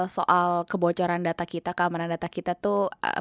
soal kebocoran data kita keamanan data kita tuh